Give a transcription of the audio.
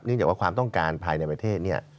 จากว่าความต้องการภายในประเทศเนี่ย